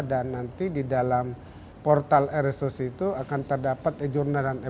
dan nanti di dalam portal rsus itu akan terdapat e journal dan e book